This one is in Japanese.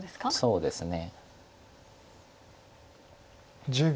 そうですね。